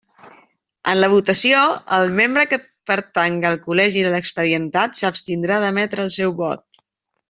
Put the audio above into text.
En la votació, el membre que pertanga al col·legi de l'expedientat, s'abstindrà d'emetre el seu vot.